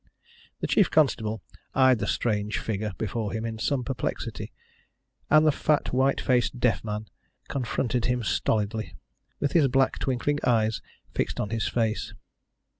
The chief constable eyed the strange figure before him in some perplexity, and the fat white faced deaf man confronted him stolidly, with his black twinkling eyes fixed on his face.